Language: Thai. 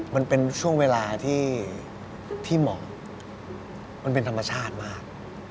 มันเป็นช่วงเวลาที่เหมาะมันเป็นธรรมชาติมาก